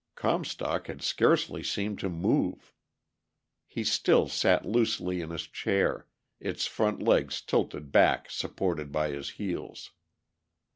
Comstock had scarcely seemed to move. He still sat loosely in his chair, its front legs tilted back supported by his heels.